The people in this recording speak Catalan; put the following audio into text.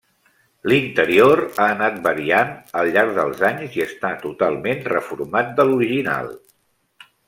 L’interior ha anat variant al llarg dels anys i està totalment reformat de l’original.